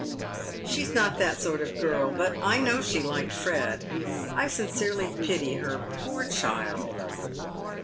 She's not that sort of girl. But I know she liked Fred. I sincerely pity her, poor child."